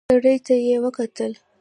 سړي ته يې وکتل.